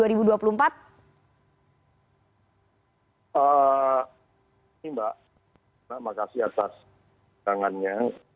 ini mbak terima kasih atas tangannya